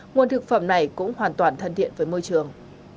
nguồn thực phẩm này cũng hoàn toàn thân thiện với môi trường